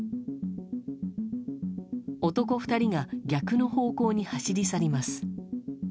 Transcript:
男２人が逆の方向に走り去ります。